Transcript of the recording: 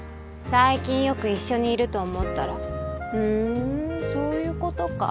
最近よく一緒にいると思ったらふんそういうことか。